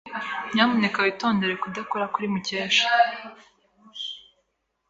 Nyamuneka witondere kudakora kuri Mukesha.